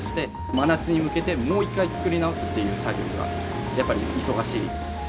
真夏に向けて、もう一回作り直すっていう作業がやっぱり忙しい。